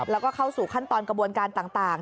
แล้วก็เข้าสู่ขั้นตอนกระบวนการต่าง